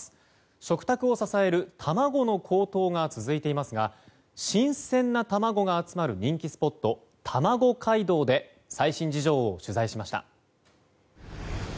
食卓を支える卵の高騰が続いていますが新鮮な卵が集まる人気スポットたまご街道で最新事情を取材しました。